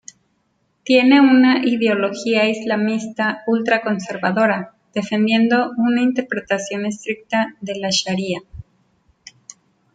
Tiene una ideología islamista ultra-conservadora, defendiendo una interpretación estricta de la sharía.